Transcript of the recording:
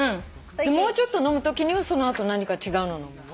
もうちょっと飲むときにはその後何か違うの飲むの？